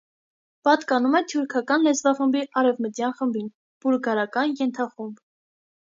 Պատկանում է թյուրքական լեզվախմբի արևմտյան խմբին (բուլգարական ենթախումբ)։